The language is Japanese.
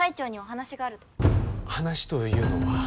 話というのは？